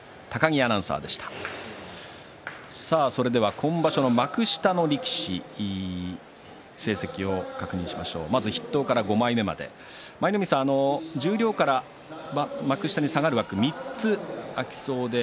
今場所の幕下の力士成績を確認しましょう筆頭から５枚目まで、舞の海さん十両から幕下に下がる枠、３つ空きそうです。